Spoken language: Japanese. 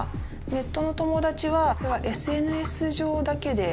ネットの友達はＳＮＳ上だけで。